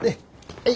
はい。